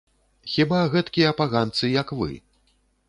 Хіба гэткія паганцы, як вы!